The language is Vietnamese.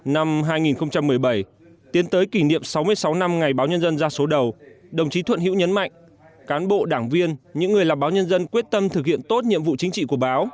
năm hai nghìn một mươi bảy tiến tới kỷ niệm sáu mươi sáu năm ngày báo nhân dân ra số đầu đồng chí thuận hiễu nhấn mạnh cán bộ đảng viên những người làm báo nhân dân quyết tâm thực hiện tốt nhiệm vụ chính trị của báo